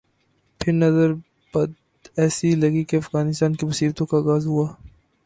پھر نظر بد ایسی لگی کہ افغانستان کی مصیبتوں کا آغاز ہوا۔